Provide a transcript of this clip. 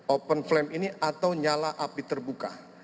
open flame ini atau nyala api terbuka